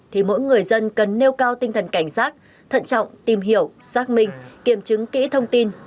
thì mỗi người dân cần nêu cao tinh thần cảnh giác thận trọng tìm hiểu xác minh kiểm chứng kỹ thông tin